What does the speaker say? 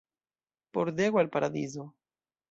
Pordego al Paradizo.